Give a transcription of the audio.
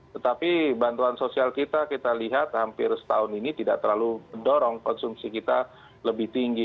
tetapi bantuan sosial kita kita lihat hampir setahun ini tidak terlalu mendorong konsumsi kita lebih tinggi